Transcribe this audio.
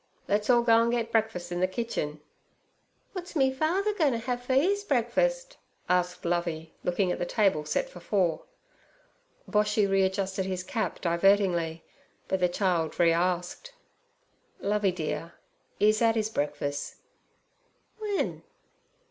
'Le's all go an' get breakfuss in ther kitchen.' 'W'at's me father goin't' have for ees breakfuss?' asked Lovey, looking at the table set for four. Boshy readjusted his cap divertingly, but the child re asked. 'Lovey dear, 'e's 'ad 'is breakfuss.' 'W'en?'